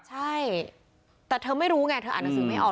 ใช่แต่เธอไม่รู้ไงเธออ่านหนังสือไม่ออก